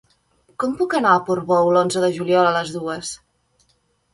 Com puc anar a Portbou l'onze de juliol a les dues?